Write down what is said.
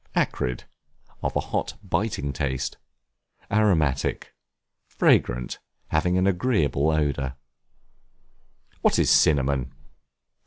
Acrid, of a hot, biting taste. Aromatic, fragrant, having an agreeable odor. What is Cinnamon?